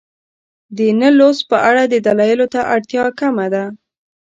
د نه لوست په اړه دلایلو ته اړتیا کمه ده.